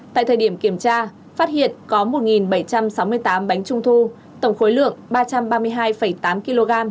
tại thời điểm kiểm tra phát hiện có một bảy trăm sáu mươi tám bánh trung thu tổng khối lượng ba trăm ba mươi hai tám kg